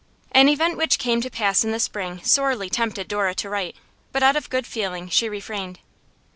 An event which came to pass in the spring sorely tempted Dora to write, but out of good feeling she refrained.